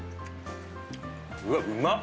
うわっうまっ！